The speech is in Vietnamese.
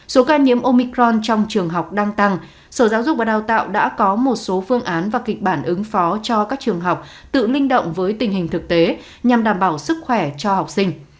số ca nhiễm omicron trong trường học đang tăng sở giáo dục và đào tạo đã có một số phương án và kịch bản ứng phó cho các trường học tự linh động với tình hình thực tế nhằm đảm bảo sức khỏe cho học sinh